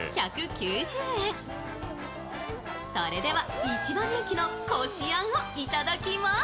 それでは一番人気のこしあんを頂きます。